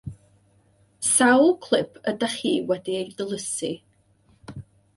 Sawl clip ydych chi wedi eu dilysu?